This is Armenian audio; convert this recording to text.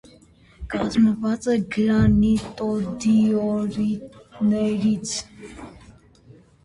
Կազմված է գրանիտոդիորիտներից։